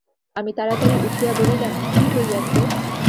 আমি তাড়াতাড়ি উঠিয়া বলিলাম, কী হইয়াছে?